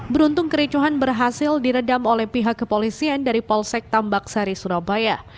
beruntung kericuhan berhasil diredam oleh pihak kepolisian dari polsek tambak sari surabaya